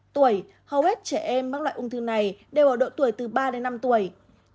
tuổi hầu hết trẻ em mắc loại ung thư này đều ở độ tuổi từ ba đến năm tuổi